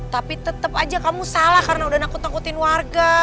tapi tetap saja kamu salah karena sudah menakut nakutin warga